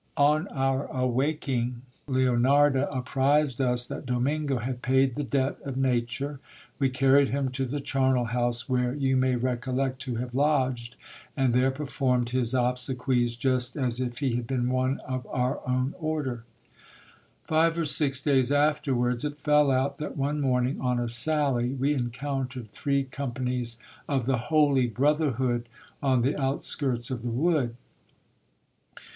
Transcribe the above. On our awaking, Leonarda apprized us that Domingo had paid the debt of nature. We carried him to the charnel house where you may recollect to have lodged, and there performed his obsequies, just as if he had been one of our own order. Five or six days afterwards, it fell out that one morning, on a sally, we encountered three companies of the Holy Brotherhood, on the outskirts of the wood.